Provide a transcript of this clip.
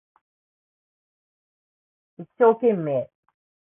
一生懸命